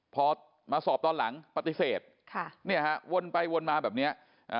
พอมาสอบตอนหลังปฏิเสธค่ะเนี่ยฮะวนไปวนมาแบบเนี้ยอ่า